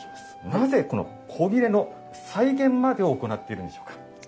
なぜこの古裂の再現までを行っているんでしょうか？